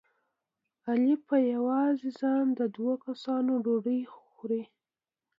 علي په یوازې ځان د دوه کسانو ډوډۍ خوري.